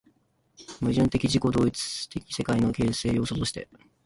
矛盾的自己同一的世界の形成要素として